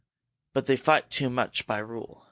But they fight too much by rule.